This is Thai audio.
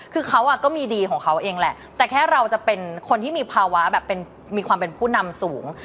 คือเขาก็มีดีของเขาเองแหละแต่แค่เราจะเป็นคนที่มีภาวะแบบมีความเป็นผู้นำสูง